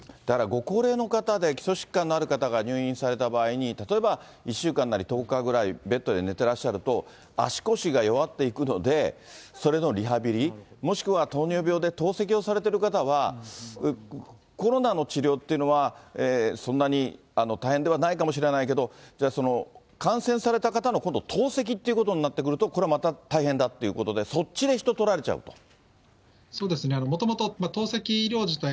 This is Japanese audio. だからご高齢の方で基礎疾患のある方が入院された場合に、例えば１週間なり１０日ぐらいベッドで寝てらっしゃると、足腰が弱っていくので、それのリハビリ、もしくは糖尿病で透析をされている方は、コロナの治療というのはそんなに大変ではないかもしれけど、感染された方の、今度、透析ということになってくると、これはまた大変だということで、そっちで人を取られちゃうと。